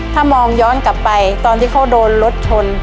ถ้ามองย้อนกลับไปตอนที่เขาโดนรถชน